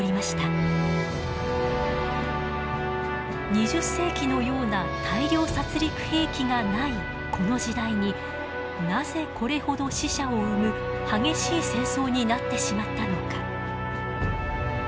２０世紀のような大量殺戮兵器がないこの時代になぜこれほど死者を生む激しい戦争になってしまったのか。